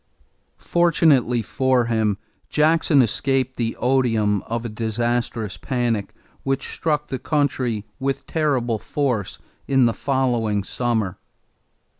Fortunately for him, Jackson escaped the odium of a disastrous panic which struck the country with terrible force in the following summer.